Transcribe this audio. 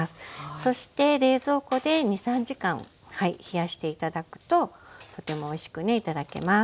そして冷蔵庫で２３時間冷やして頂くととてもおいしくね頂けます。